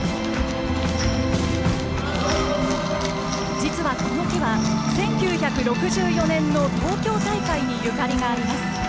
実はこの木は１９６４年の東京大会にゆかりがあります。